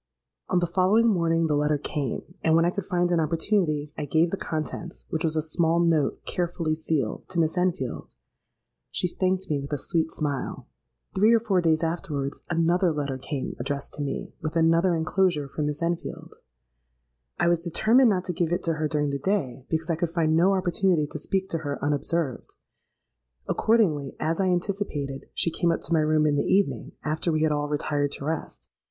"On the following morning the letter came: and when I could find an opportunity, I gave the contents (which was a small note carefully sealed) to Miss Enfield. She thanked me with a sweet smile. Three or four days afterwards, another letter came addressed to me, with another enclosure for Miss Enfield. I was determined not to give it to her during the day, because I could find no opportunity to speak to her unobserved. Accordingly, as I anticipated, she came up to my room in the evening, after we had all retired to rest.